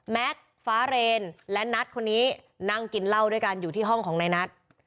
ฟ้าเรนและนัทคนนี้นั่งกินเหล้าด้วยกันอยู่ที่ห้องของนายนัท